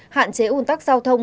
hạn chế ủn tắc giao thông